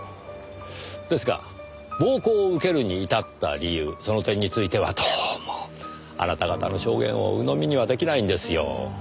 ですが暴行を受けるに至った理由その点についてはどうもあなた方の証言をうのみには出来ないんですよ。